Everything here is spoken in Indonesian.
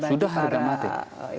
sudah harga mati